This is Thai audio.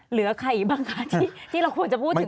เหลือใครอีกบ้างคะที่เราควรจะพูดถึง